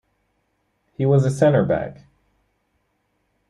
He was a centre back.